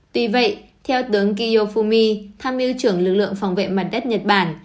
tuy vậy theo tướng kiyofumi tham ưu trưởng lực lượng phòng vệ mặt đất nhật bản